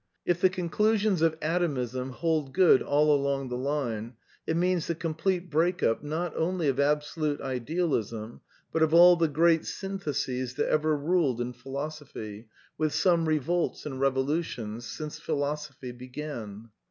If the conclusions of Atomism hold good all along the line, it means the complete break up, not only of Absolute Ideal ism, but of all the great syntheses that ever ruled in Phi losophy — with some revolts and revolutions — since Phi losophy began.